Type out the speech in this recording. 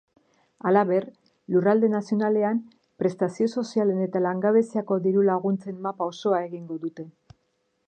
Halaber, lurralde nazionalean prestazio sozialen eta langabeziako diru-laguntzen mapa osoa egingo dute.